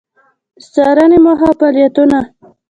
د څــارنـې موخـه او فعالیـتونـه: